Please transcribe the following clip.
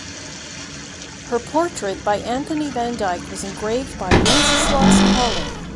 Her portrait by Anthony van Dyck was engraved by Wenceslaus Hollar.